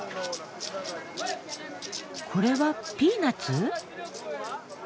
これはピーナツ？